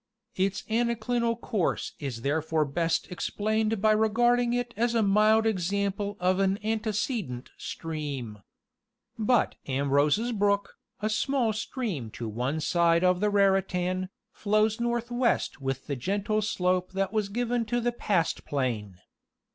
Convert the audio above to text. Its anaclinal course is therefore best explained by regarding it as a mild example of an antecedent stream. But Ambrose's brook, a small stream to one side of the Raritan, flows northwest with the gentle slope that was given to the pastplain.